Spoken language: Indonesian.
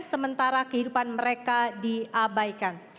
sementara kehidupan mereka diabaikan